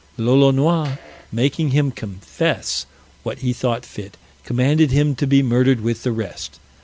Lolonois, making him confess what he thought fit, commanded him to be murdered with the rest.